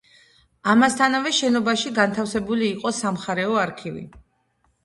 ამასთანავე შენობაში განთავსებული იყო სამხარეო არქივი.